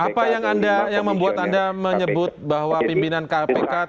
apa yang membuat anda menyebut bahwa pimpinan kpk